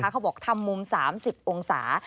เขาบอกทำมุม๓๐องศา